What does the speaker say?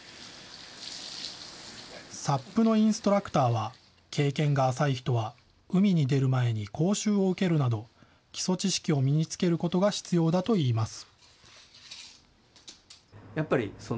ＳＵＰのインストラクターは、経験が浅い人は、海に出る前に講習を受けるなど、基礎知識を身に着けることが必要だといいます。